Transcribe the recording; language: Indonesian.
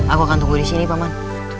aku akan tunggu disini paman